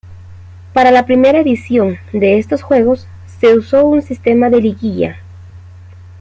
Para la primera edición de estos juegos se usó un sistema de liguilla.